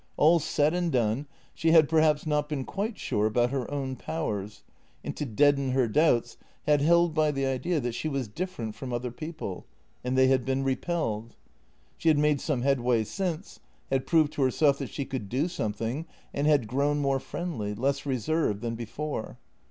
All said and done, she had perhaps not been quite sure about her own powers, and to deaden her doubts, had held by the idea that she was different from other people — and they had been repelled. She had made some headway since, had proved to herself that she could do something, and had grown more friendly, less re served, than before.